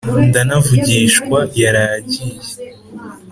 Ndanavugishwa yaraye agiye